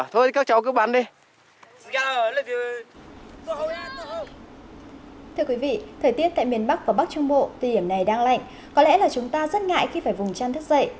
thưa quý vị thời tiết tại miền bắc và bắc trung bộ thời điểm này đang lạnh có lẽ là chúng ta rất ngại khi phải vùng chăn thức dậy